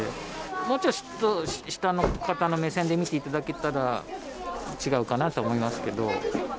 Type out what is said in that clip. もうちょい下の方の目線で見ていただけたら、違うかなと思いますけど。